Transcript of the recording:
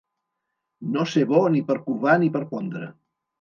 No ser bo ni per covar ni per pondre.